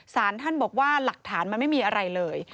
สารท่านบอกว่าหลักฐานมันไม่มีอะไรเลย